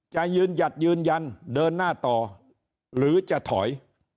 จะยืนหยัดยืนยันเดินหน้าต่อหรือจะถอย